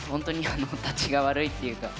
たちが悪いっていうかえ！